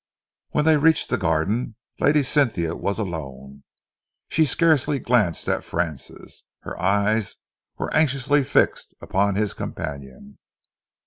When they reached the garden, Lady Cynthia was alone. She scarcely glanced at Francis. Her eyes were anxiously fixed upon his companion.